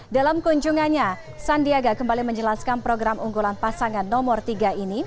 dalam kunjungannya sandiaga kembali menjelaskan program unggulan pasangan nomor tiga ini